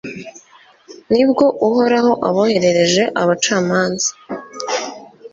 ni bwo uhoraho aboherereje abacamanza